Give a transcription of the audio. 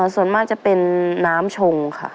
ส่วนมากจะเป็นน้ำชงค่ะ